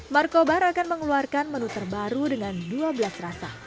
marcobar akan mengeluarkan menu terbaru dengan dua belas rasa